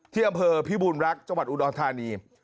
ที่อำเภอพิบูรณรักษ์จังหวัดอุดรธานี